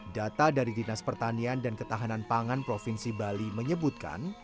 data dari dinas pertanian dan ketahanan pangan provinsi bali menyebutkan